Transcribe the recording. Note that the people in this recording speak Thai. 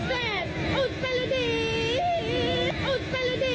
อุดเบลอดีท